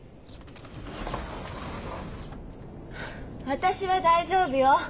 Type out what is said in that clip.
私は大丈夫よ。